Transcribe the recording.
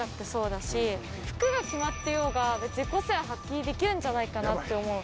服が決まってようが別に個性は発揮できるんじゃないかなって思う。